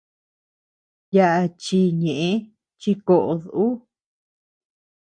Yaʼa chi ñeʼe chi koʼod ú.